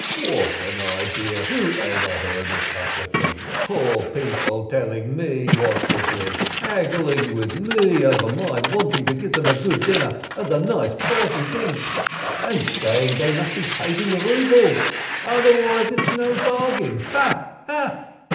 "What an idea ! Who ever heard of such a thing ? Poor people telling me what to do, haggling with me over my wanting to give them a good dinner and a nice present each, and saying they must be paid in rubles, otherwise it's no bargain, ha! ha!